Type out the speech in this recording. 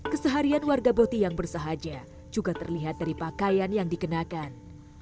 keseharian warga boti yang bersahaja juga terlihat dari pakaian yang dikenakan